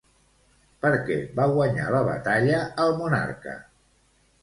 Per què va guanyar la batalla el monarca?